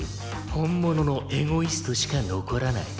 「本物のエゴイストしか残らない」